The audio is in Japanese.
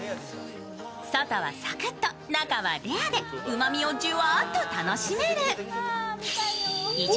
外はサクッと、中はレアでうまみをじゅわっと楽しめる。